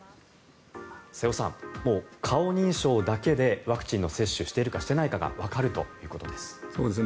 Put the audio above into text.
瀬尾さん、もう顔認証だけでワクチンの接種をしているか、していないかがわかるということです。